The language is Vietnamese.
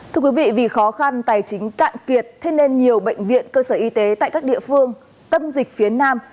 thưa quý vị vì khó khăn tài chính cạn kiệt thế nên nhiều bệnh viện cơ sở y tế tại các địa phương tâm dịch phía nam